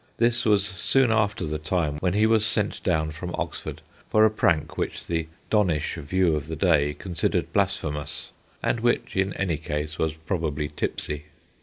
This was soon after the time when he was ' sent down ' from Oxford for a prank which the donnish view of the day con sidered blasphemous, and which in any case was probably tipsy.